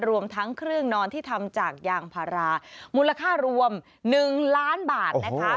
รวมทั้งเครื่องนอนที่ทำจากยางพารามูลค่ารวม๑ล้านบาทนะคะ